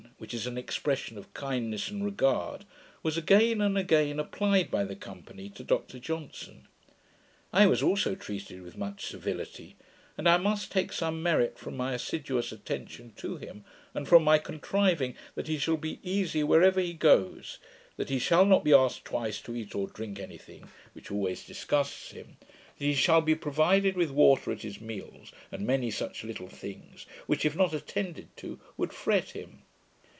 which is an expression of kindness and regard, was again and again applied by the company to Dr Johnson. I was also treated with much civility; and I must take some merit from my assiduous attention to him, and from my contriving that he shall be easy wherever he goes, that he shall not be asked twice to eat or drink any thing (which always disgusts him), that he shall be provided with water at his meals, and many such little things, which, if not attended to would fret him.